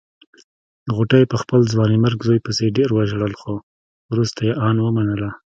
غوټۍ په خپل ځوانيمرګ زوی پسې ډېر وژړل خو روسته يې ان ومانه.